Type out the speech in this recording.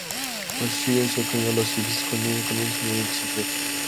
El suicidio se ha asociado a las difíciles condiciones económicas, incluyendo el desempleo.